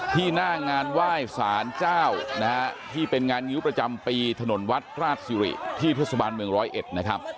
ที่หน้างานไหว้ศาลเจ้านะฮะที่เป็นงานยุประจำปีถนนวัดราชยุริย์ที่พฤศบาลเมือง๑๐๑นะครับ